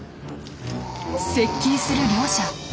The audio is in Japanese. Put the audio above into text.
接近する両者。